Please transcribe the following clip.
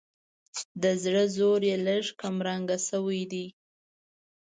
د زړه زور یې لږ کمرنګه شوی دی.